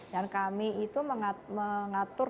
dan kami itu mengatur